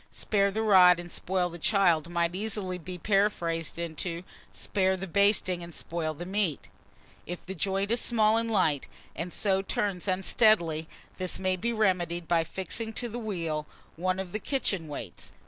"Spare the rod, and spoil the child," might easily be paraphrased into "Spare the basting, and spoil the meat." If the joint is small and light, and so turns unsteadily, this may be remedied by fixing to the wheel one of the kitchen weights.